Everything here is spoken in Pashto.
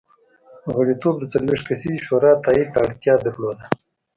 غړیتوب د څلوېښت کسیزې شورا تایید ته اړتیا درلوده